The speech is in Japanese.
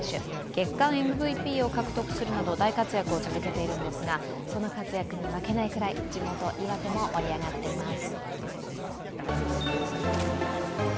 月間ＭＶＰを獲得するなど大活躍を続けているんですがその活躍に負けないくらい地元・岩手も盛り上がっています。